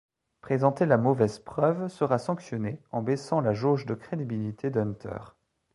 Présenter la mauvaise preuve sera sanctionné en baissant la jauge de crédibilité d'Hunter.